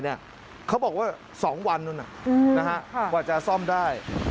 มันต้องบอกให้นาน๒วันนะจะซ่อมได้